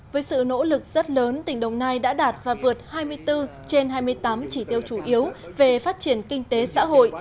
với sự nỗ lực rất lớn tỉnh đồng nai đã đạt và vượt hai mươi bốn trên hai mươi tám chỉ tiêu chủ yếu về phát triển kinh tế xã hội